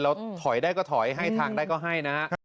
เราถอยได้ก็ถอยให้ทางได้ก็ให้นะครับ